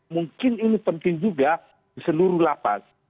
mungkin ini penting juga di seluruh lapas